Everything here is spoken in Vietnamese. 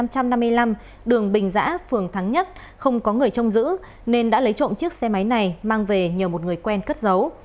trong thời gian năm trăm năm mươi năm đường bình giã phường thắng nhất không có người trông giữ nên đã lấy trộm chiếc xe máy này mang về nhờ một người quen cất giấu